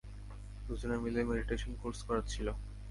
দুজনে মিলে meditation course করাচ্ছিল।